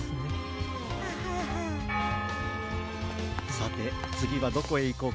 さてつぎはどこへいこうか。